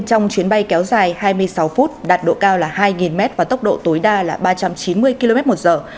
trong chuyến bay kéo dài hai mươi sáu phút đạt độ cao là hai mét và tốc độ tối đa là ba trăm chín mươi km một giờ